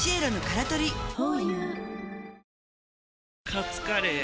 カツカレー？